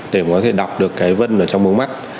để có thể đọc được cái vân ở trong mống mắt